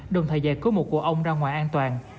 đồng thời giải cứu một cụ ông ra ngoài an toàn